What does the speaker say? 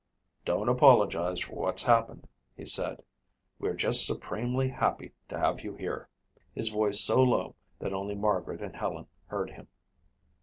"Don't apologize for what's happened," he said. "We're just supremely happy to have you here," his voice so low that only Margaret and Helen heard him.